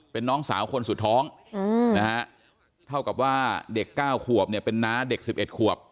เป็นน้องสาวคนสุดท้องนะฮะเท่ากับว่าเด็ก๙ขวบเนี่ยเป็นน้าเด็ก๑๑ขวบ